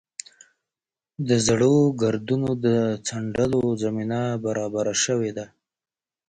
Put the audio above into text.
د زړو ګردونو د څنډلو زمینه برابره شوې وه.